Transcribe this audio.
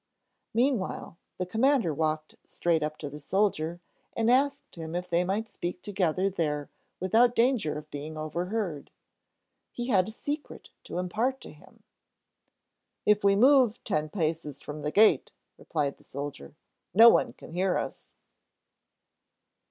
Meanwhile, the Commander walked straight up to the soldier and asked him if they might speak together there without danger of being overheard. He had a secret to impart to him. "If we move ten paces from the gate," replied the soldier, "no one can hear us."